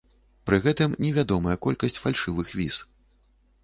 Пры гэтым невядомая колькасць фальшывых віз.